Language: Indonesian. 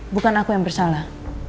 bukan aku yang bersalah